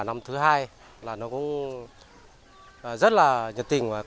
năm thứ hai là nó cũng rất là nhiệt tình